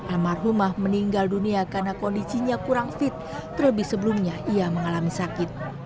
almarhumah meninggal dunia karena kondisinya kurang fit terlebih sebelumnya ia mengalami sakit